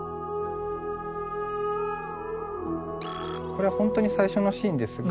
これは本当に最初のシーンですが。